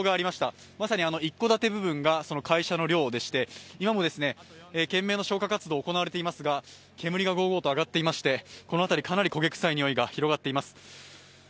まさに一戸建て部分が会社の寮でして今も懸命の消火活動が行われていますが、煙がごうごうと上がっていましてこの辺りかなり焦げ臭いにおいが広がっています。